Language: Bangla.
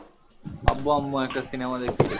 আব্বু-আম্মু একটা সিনেমা দেখতে গিয়েছিল।